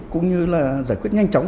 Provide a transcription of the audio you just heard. cũng như giải quyết nhanh chóng